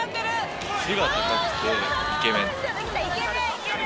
背が高くて、イケメン。